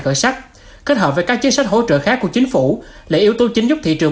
khởi sắc kết hợp với các chính sách hỗ trợ khác của chính phủ là yếu tố chính giúp thị trường